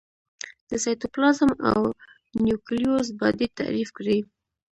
د سایتوپلازم او نیوکلیوس باډي تعریف کړي.